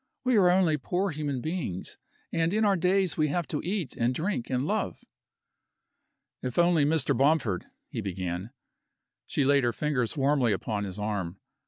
"We are only poor human beings, and in our days we have to eat and drink and love." "If only Mr. Bomford " he began She laid her fingers warningly upon his arm. Mr.